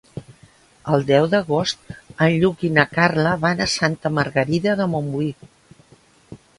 El deu d'agost en Lluc i na Carla van a Santa Margarida de Montbui.